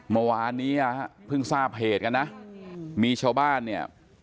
เมื่อวานนี้เพิ่งทราบเหตุกันนะมีชาวบ้านเนี่ย